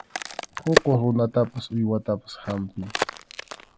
Unquq runatapas uywatapas hampiy.